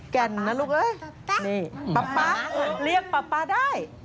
แก่นนะลูกอ้าวนี่ป๊าเรียกป๊าได้ป๊า